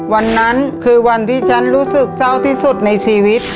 วันนั้นคือวันที่ฉันรู้สึกเศร้าที่สุดในชีวิต